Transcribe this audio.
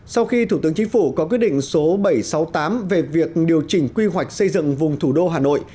sau khi thủ tướng chính phủ có quyết định số bảy trăm sáu mươi tám về việc điều chỉnh quy hoạch xây dựng vùng thủ đô hà nội